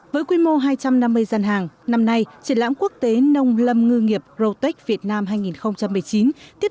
với quy mô hai trăm năm mươi gian hàng năm nay triển lãm quốc tế nông lâm ngư nghiệp grotech việt nam hai nghìn một mươi chín tiếp